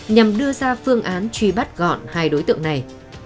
nhằm đưa ra phương án truy bắt gọn hai đối tượng này